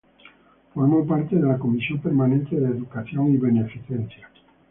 Formó parte de la comisión permanente de Educación y Beneficencia.